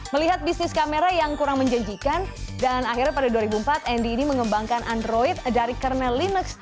melihat bisnis kamera yang kurang menjanjikan dan akhirnya pada dua ribu empat andy ini mengembangkan android dari kernel linux